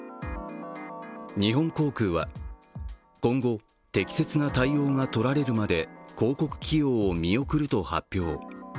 日本航空は今後、適切な対応がとられるまで広告起用を見送ると発表。